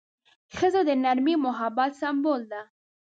ښځه د نرمۍ او محبت سمبول ده.